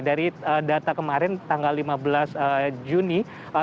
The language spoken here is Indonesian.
dari data kemarin tanggal lima belas juni dua ribu dua puluh